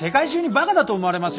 バカだと思います。